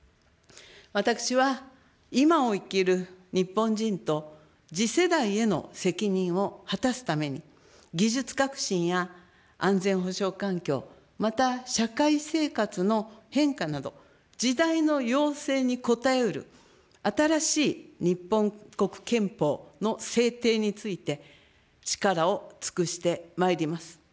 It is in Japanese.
私は今を生きる日本人と、次世代への責任を果たすために、技術革新や安全保障環境、また社会生活の変化など、時代の要請に応えうる新しい日本国憲法の制定について、力を尽くしてまいります。